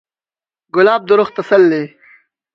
ګلاب د روح تسل دی.